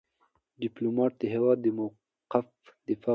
ډيپلومات د هېواد د موقف دفاع کوي.